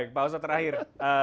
baik pausa terakhir